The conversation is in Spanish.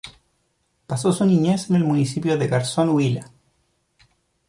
Pasó su niñez en el Municipio de Garzón Huila.